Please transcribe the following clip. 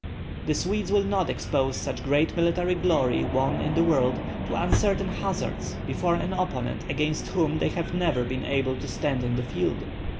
The Swedes will not expose such great military glory won in the world to uncertain hazard before an opponent against whom they have never been able to stand in the field.